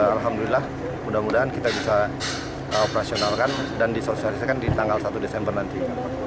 alhamdulillah mudah mudahan kita bisa operasionalkan dan disosialisasikan di tanggal satu desember nanti